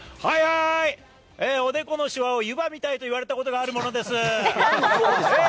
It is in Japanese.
このシワを湯葉みたいに言われたことがあるものです。